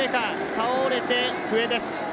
倒れて、笛です。